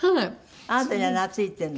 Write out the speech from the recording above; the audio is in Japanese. あなたには懐いてるの？